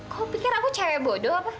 kau pikir aku cewek bodoh apa